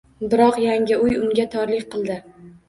Biroq yangi uyi unga torlik qildi